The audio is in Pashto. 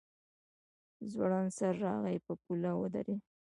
ځوړند سر راغی په پوله ودرېد.